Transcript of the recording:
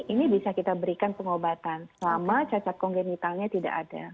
ini bisa kita berikan pengobatan selama cacat kongenitalnya tidak ada